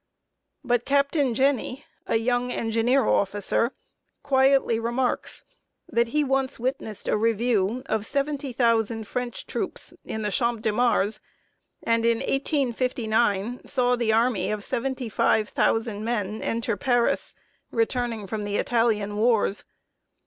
But Captain Jenny, a young engineer officer, quietly remarks, that he once witnessed a review of seventy thousand French troops in the Champ de Mars, and in 1859 saw the army of seventy five thousand men enter Paris, returning from the Italian wars.